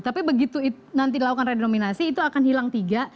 tapi begitu nanti dilakukan redenominasi itu akan hilang tiga